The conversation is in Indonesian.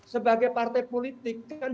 sebagai partai politik kan